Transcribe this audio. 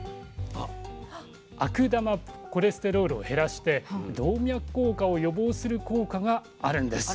悪玉コレステロールを減らして動脈硬化を予防する効果があるんです。